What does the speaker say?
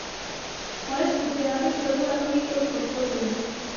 Moje skupina by proto takový krok podpořila.